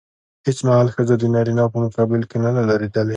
هېڅ مهال ښځه د نارينه په مقابل کې نه ده درېدلې.